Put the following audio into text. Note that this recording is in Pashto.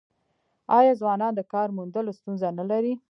آیا ځوانان د کار موندلو ستونزه نلري؟